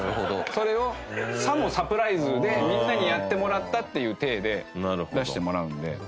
それをさもサプライズでみんなにやってもらったっていう体で出してもらうんで。